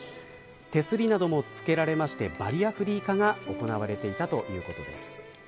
手すりなどもつけられましてバリアフリー化が行われていたということです。